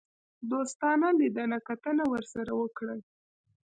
دوستانه لیدنه کتنه ورسره وکړي.